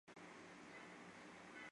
为松本市的。